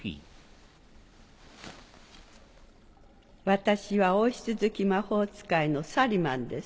私は王室付き魔法使いのサリマンです。